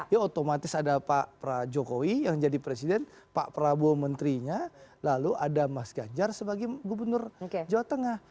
ya otomatis ada pak jokowi yang jadi presiden pak prabowo menterinya lalu ada mas ganjar sebagai gubernur jawa tengah